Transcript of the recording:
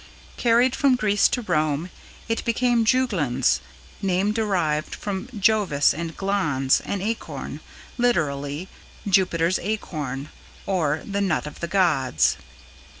Carried from Greece to Rome, it became "Juglans" (name derived from Jovis and glans, an acorn; literally "Jupiter's Acorn", or "the Nut of the Gods").